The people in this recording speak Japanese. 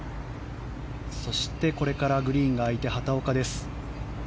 そして、これからグリーンが空いて畑岡です。